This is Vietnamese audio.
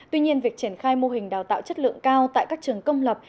tuy nhiên việc triển khai mô hình đào tạo chất lượng cao tại các trường công lập